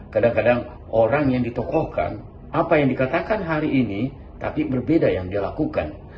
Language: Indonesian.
kadang kadang orang yang ditokohkan apa yang dikatakan hari ini tapi berbeda yang dia lakukan